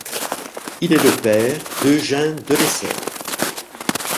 Il est le père d'Eugène Delessert.